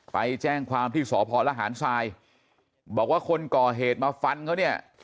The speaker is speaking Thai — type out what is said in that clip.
ไปแจ้งความที่สพลหารทรายบอกว่าคนก่อเหตุมาฟันเขาเนี่ย